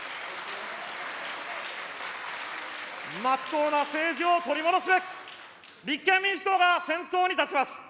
まっとうな政治を取り戻すべく、立憲民主党が先頭に立ちます。